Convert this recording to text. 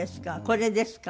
これですか？